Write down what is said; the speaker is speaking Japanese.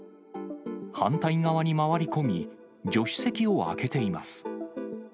反対側に回り込み、助手席を開けています。